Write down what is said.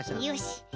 よし。